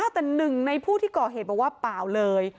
แต่หนึ่งในผู้ที่ก่อเหตุบอกว่าเปล่าเลย